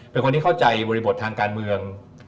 เป็นคนที่เข้าใจบริบททางการเมือง